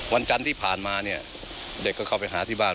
วันจันทร์ที่ผ่านมาเนี่ยเด็กก็เข้าไปหาที่บ้าน